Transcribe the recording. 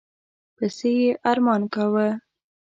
پسي یې ارمان کاوه.